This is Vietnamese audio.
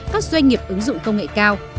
các doanh nghiệp ứng dụng công nghệ cao